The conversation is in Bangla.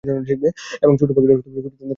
এবং ছোট্ট পাখিটা খুশিতে মেতে উঠল।